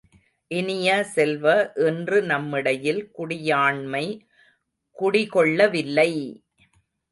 இனிய செல்வ, இன்று நம்மிடையில் குடியாண்மை குடிகொள்ளவில்லை!